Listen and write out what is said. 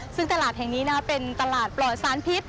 ซึ่งตลาดแห่งนี้เป็นตลาดปลอดสารพิษ